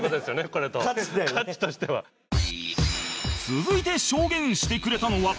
続いて証言してくれたのは